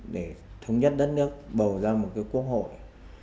để thống nhất đất nước bầu ra một cái quốc hội